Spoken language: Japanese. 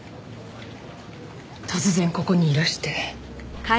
突然ここにいらして。